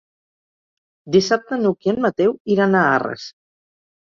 Dissabte n'Hug i en Mateu iran a Arres.